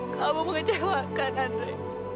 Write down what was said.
kamu mengecewakan andre